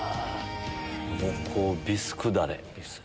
濃厚ビスクダレ。